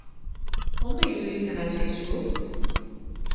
Ondo iruditzen al zaizu?